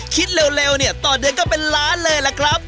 คิดเร็วเนี่ยต่อเดือนก็เป็นล้านเลยล่ะครับ